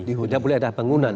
tidak boleh ada bangunan